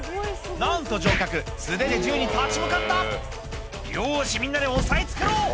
なんと乗客素手で銃に立ち向かった「よしみんなで押さえ付けろ！」